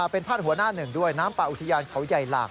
เป็นพาดหัวหน้าหนึ่งด้วยน้ำป่าอุทยานเขาใหญ่หลาก